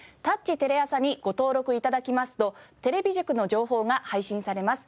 ★テレアサにご登録頂きますと「テレビ塾」の情報が配信されます。